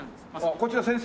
こちら先生？